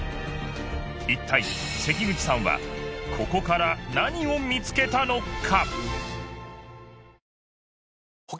いったい関口さんはここから何を見つけたのか！？